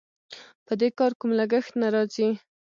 په دې کار کوم لګښت نه راځي.